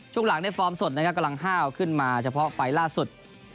ช่วงหลังในฟอร์มสดนะครับกำลังห้าวขึ้นมาเฉพาะไฟล์ล่าสุด